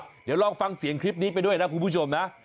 เดี๋ยวลองฟังเสียงคลิปนี้ไปด้วยนะคุณผู้ชมนะ